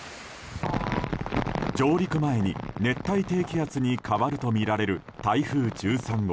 上陸前に熱帯低気圧に変わるとみられる台風１３号。